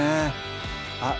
あっ